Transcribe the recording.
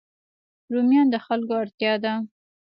رومیان د خلکو اړتیا ده